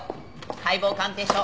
解剖鑑定書。